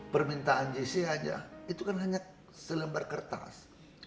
permintaan jc saja itu kan hanya selembar kertas